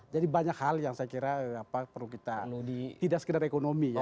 jadi banyak hal yang saya kira perlu kita tidak sekedar ekonomi ya